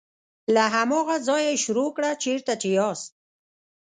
له هماغه ځایه یې شروع کړه چیرته چې یاست.